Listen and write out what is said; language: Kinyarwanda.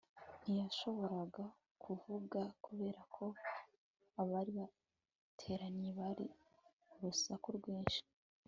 ntiyashoboraga kuvuga kubera ko abari bateranye bari urusaku rwinshi